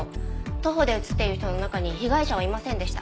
徒歩で映ってる人の中に被害者はいませんでした。